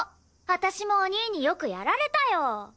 私もお兄によくやられたよ！